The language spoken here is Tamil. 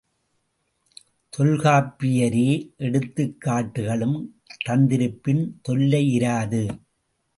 தொல்காப்பியரே எடுத்துக்காட்டுகளும் தந்திருப்பின் தொல்லையிராது.